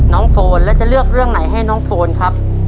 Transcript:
โฟนแล้วจะเลือกเรื่องไหนให้น้องโฟนครับ